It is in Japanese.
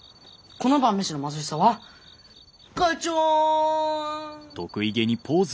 この晩飯の貧しさはガチョン！